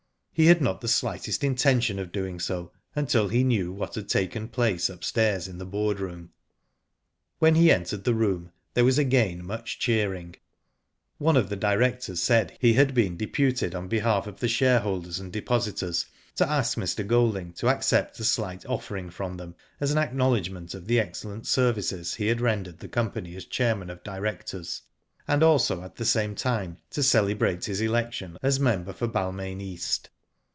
He had not the slightest intention of doing so until he knew what had taken place upstairs in the board room. When he entered the room there was again much cheering. One of the directors said he had been deputed on behalf of the shareholders and depositors to ask Mr. Golding to accept a slight offering from them as an acknowledgment of the excellent ser Digitized byGoogk 134 IVHO DID ITf vices he had rendered the company as chairman of directors, and also at the same time to cele brate his election as member for Balmain East.